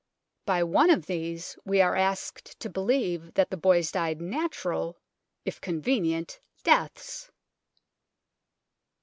By one of these we are asked to believe that the boys died natural, if convenient, deaths